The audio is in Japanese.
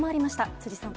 辻さん。